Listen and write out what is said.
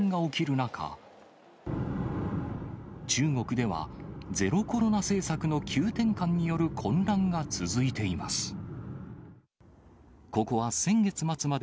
中国では、ゼロコロナ政策の急転換による混乱が続いています。